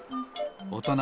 おとな